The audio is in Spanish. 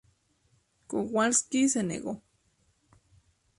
Kowalski se negó.